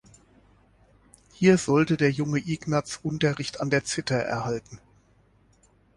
Hier sollte der junge Ignaz Unterricht an der Zither erhalten.